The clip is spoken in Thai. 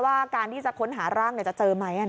ว่าการที่จะค้นหาร่างจะเจอไหม